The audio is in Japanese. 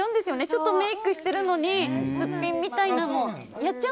ちょっとメイクしてるのにすっぴんみたいなのって